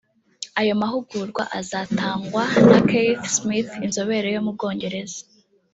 Ayo mahugurwa azatangwa na Keith Smith inzobere yo mu Bwongereza